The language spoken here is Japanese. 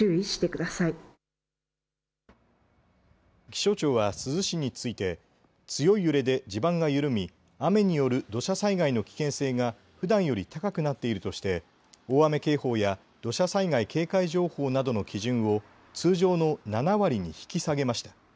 気象庁は珠洲市について強い揺れで地盤が緩み雨による土砂災害の危険性がふだんより高くなっているとして大雨警報や土砂災害警戒情報などの基準を通常の７割に引き下げました。